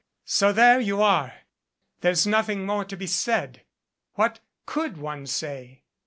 So there you are. There's nothing more to be said. What could one say?"